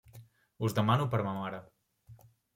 Us demano per ma mare.